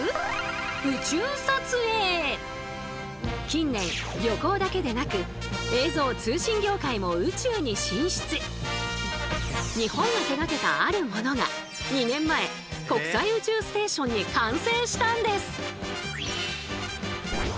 近年旅行だけでなく日本が手がけたあるモノが２年前国際宇宙ステーションに完成したんです！